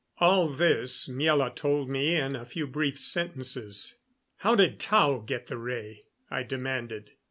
All this Miela told me in a few brief sentences. "How did Tao get the ray?" I demanded.